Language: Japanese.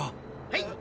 はい？